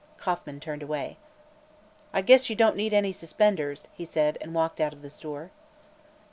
Kauffman turned away. "I guess you don't need any suspenders," he said, and walked out of the store.